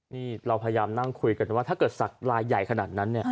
นี่เราพยายามนั่งคุยกันว่าถ้าเกิดศักดิ์ลายใหญ่ขนาดนั้นเนี่ย